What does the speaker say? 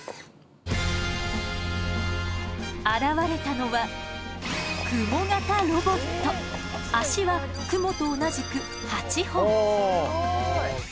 現れたのは脚はクモと同じく８本。